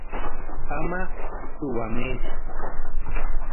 Ama suwamaytsu.